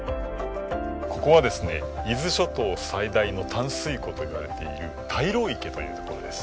ここはですね伊豆諸島最大の淡水湖といわれている大路池という所です。